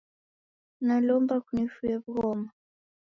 Nalomba kunifuye w'ughoma.